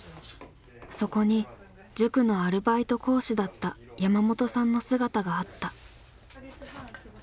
そこに塾のアルバイト講師だった山本さんの姿があった。